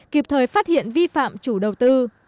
kịp thời phát hiện vi phạm chủ đầu tư